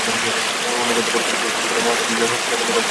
অনুগতবর্গের কেহ যদি বলে, মহারাজের জয় হউক, সেবকের বাসনা পূর্ণ করুন।